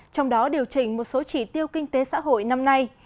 trong đó điều chỉnh một số chỉ tiêu kinh tế xã hội năm nay